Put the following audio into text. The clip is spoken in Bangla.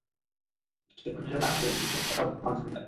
চোখের জল না ফেলে, দুই সপ্তাহ ঘাম ঝড়ানো যাক।